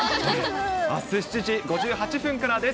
あす７時５８分からです。